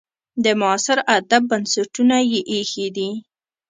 د معاصر ادب بنسټونه یې ایښي دي.